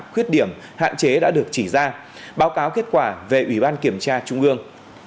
khuyết điểm hạn chế đã được chỉ ra báo cáo kết quả về ủy ban kiểm tra trung ương